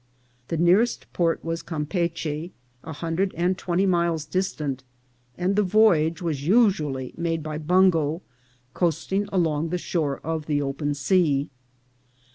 The nearest port was Cam peachy, a hundred and twenty miles distant, and the voyage was usually made by bungo, coasting along the shore of the open sea.